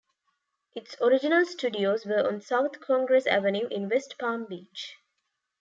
Its original studios were on South Congress Avenue in West Palm Beach.